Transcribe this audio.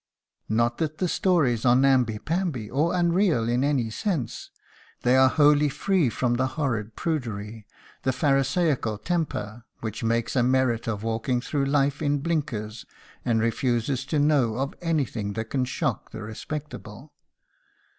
Not that the stories are namby pamby, or unreal in any sense; they are wholly free from the horrid prudery, the Pharisaical temper, which makes a merit of walking through life in blinkers and refuses to know of anything that can shock the respectable.